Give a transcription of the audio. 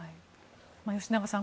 吉永さん